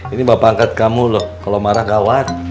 ini bapak angkat kamu loh kalo marah ga wan